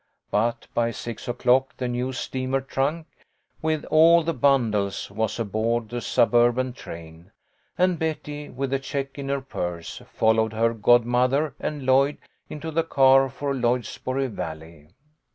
But by six o'clock the new steamer trunk, with all the bundles, was aboard the suburban train, and Betty, with the check in her purse, followed her godmother and Lloyd into the car for Lloydsboro Valley.